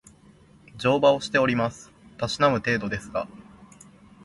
乗馬をしております。たしなむ程度ですが